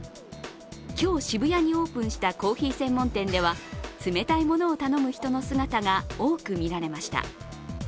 今日、渋谷にオープンしたコーヒー専門店では、冷たいものを頼む人の姿が多く見られました。